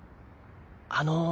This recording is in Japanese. あの。